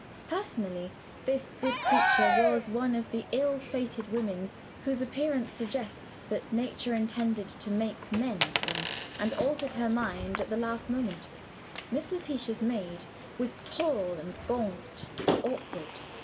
Personally, this good creature was one of the ill fated women whose appearance suggests that Nature intended to make men of them and altered her mind at the last moment. Miss Letitia's maid was tall and gaunt and awkward.